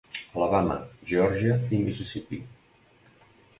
Alabama, Geòrgia i Mississipí.